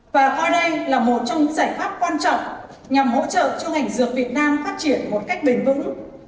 và coi đây là một trong những giải pháp quan trọng nhằm hỗ trợ cho ngành dược việt nam phát triển một cách bền vững